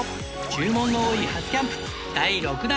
『注文の多い初キャンプ』第６弾